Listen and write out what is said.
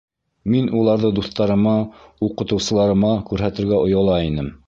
Мин уларҙы дуҫтарыма, уҡытыусыларыма күрһәтергә ояла инем.